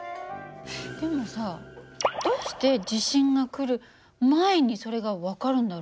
でもさどうして地震が来る前にそれが分かるんだろうね？